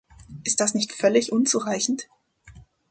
Ist das nicht völlig unzureichend?